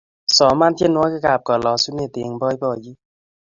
Soman tienwogik ab kolosunet eng boiboyet